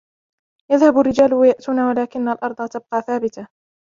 يذهب الرجال وياتون لكن الارض تبقى ثابتة